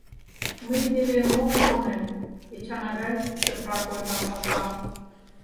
— Мый теве мом шонем, Эчан агай, — шыпрак ойла Сапаров.